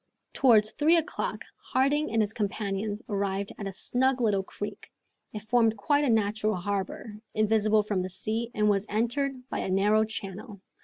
Towards three o'clock Harding and his companions arrived at a snug little creek. It formed quite a natural harbor, invisible from the sea, and was entered by a narrow channel.